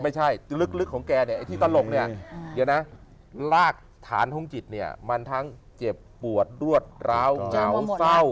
ไม่ใช่ลึกของแกเนี่ยไอ้ที่ตลกเนี่ยเดี๋ยวนะลากฐานของจิตเนี่ยมันทั้งเจ็บปวดรวดร้าวเหงาเศร้า